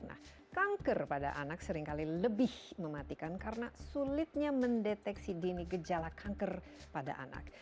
nah kanker pada anak seringkali lebih mematikan karena sulitnya mendeteksi dini gejala kanker pada anak